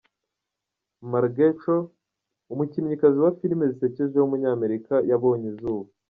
Margaret Cho, umukinnyikazi wa filime zisekeje w’umunyamerika yabonye izuba.